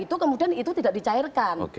itu kemudian itu tidak dicairkan